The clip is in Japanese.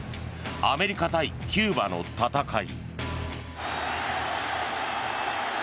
アメリカ対キューバの戦い。